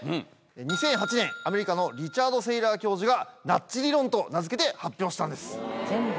２００８年アメリカのリチャード・セイラー教授が「ナッジ理論」と名付けて発表したんです。